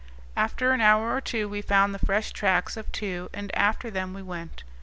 After an hour or two we found the fresh tracks of two, and after them we went.